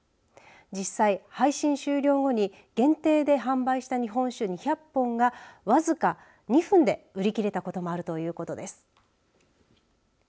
実際、配信終了後に限定で販売した日本酒２００本が僅か２分で売り切れたこともあるということです。